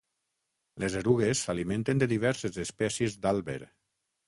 Les erugues s'alimenten de diverses espècies d'àlber.